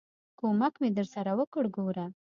ک و م ک مې درسره وکړ، ګوره!